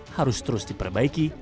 harus terus diperbaiki